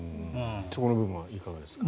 そこの部分はいかがですか。